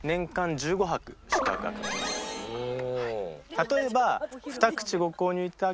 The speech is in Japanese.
例えば。